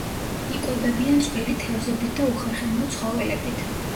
იკვებებიან წვრილი თევზებით და უხერხემლო ცხოველებით.